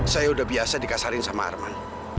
saya udah biasa dikasarin sama arman